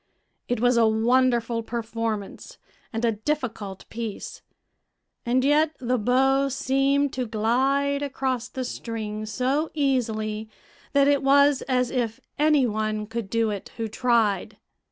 It was a wonderful performance and a difficult piece, and yet the bow seemed to glide across the strings so easily that it was as if any one could do it who tried.